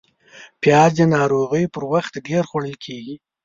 پیاز د ناروغۍ پر وخت ډېر خوړل کېږي